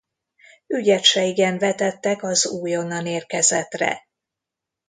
Ügyet se igen vetettek az újonnan érkezettre.